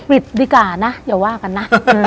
ดีกว่านะอย่าว่ากันนะ